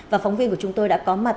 và phóng viên của chúng tôi đã có mặt